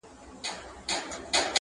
تر بچیو گوله نه سي رسولای٫